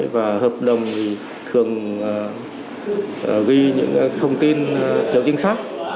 và hợp đồng thường ghi những thông tin thiếu chính xác